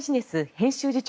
編集次長